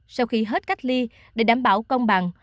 sau khi hết cách ly để đảm bảo công bằng